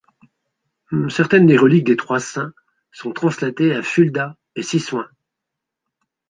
Certaines des reliques des trois saints sont translatées à Fulda et Cysoing.